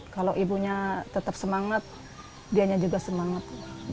kalau ibunya tetap semangat dianya juga semangat